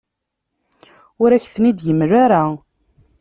Ur ak-ten-id-yemla ara.